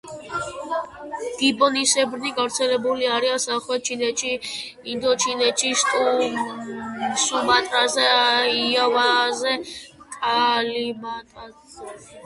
გიბონისებრნი გავრცელებული არიან სამხრეთ ჩინეთში, ინდოჩინეთში, სუმატრაზე, იავაზე, კალიმანტანზე.